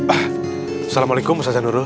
assalamualaikum ustadz nurul